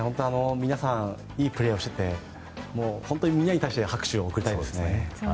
皆さん、いいプレーをしていて本当にみんなに対して拍手を送りたいですね。